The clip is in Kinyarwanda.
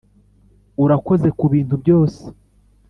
urakoze kubintu byose.